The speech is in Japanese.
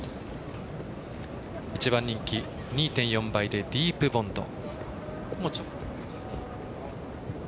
１番人気２．４倍でディープボンド。